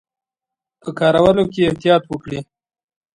په کارولو کې یې احتیاط وکړي.